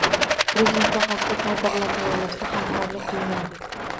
Turizm sohasida kadrlar tayyorlashda hamkorlik qilinadi